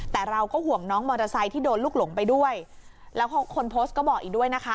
แต่เราก็ห่วงน้องมอเตอร์ไซค์ที่โดนลูกหลงไปด้วยแล้วคนโพสต์ก็บอกอีกด้วยนะคะ